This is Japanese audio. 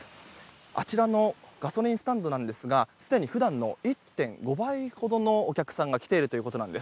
あちらのガソリンスタンドなんですがすでに普段の１．５倍ほどのお客さんが来ているということです。